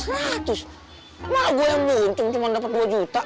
malah gue yang buntung cuma dapet dua juta